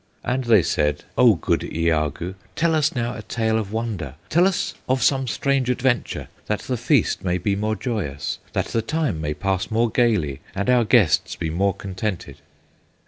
And they said, "O good Iagoo, Tell us now a tale of wonder, Tell us of some strange adventure, That the feast may be more joyous, That the time may pass more gayly, And our guests be more contented!"